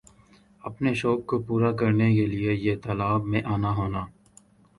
اپنا شوق کوپورا کرنا کا لئے یِہ تالاب میں آنا ہونا